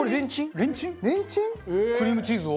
クリームチーズを？